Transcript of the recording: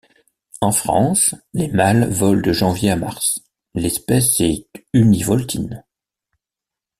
En France, les mâles volent de janvier à mars, l'espèce est univoltine.